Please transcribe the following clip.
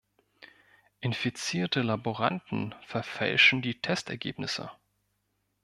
Infizierte Laboranten verfälschen die Testergebnisse.